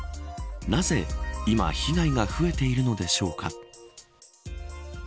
なぜ、今被害が増えているのでしょうか。